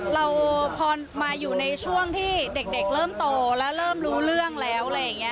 เราพอมาอยู่ในช่วงที่เด็กเริ่มโตแล้วเริ่มรู้เรื่องแล้ว